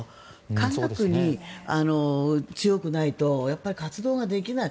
科学に強くないと活動できない。